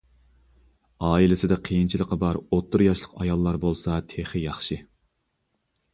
ئائىلىسىدە قىيىنچىلىقى بار ئوتتۇرا ياشلىق ئاياللار بولسا تېخى ياخشى.